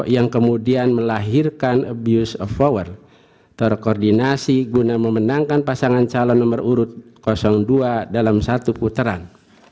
yang kemudian melahirkan abuse of power terkoordinasi guna memenangkan pasangan calon nomor urut dua dalam satu putaran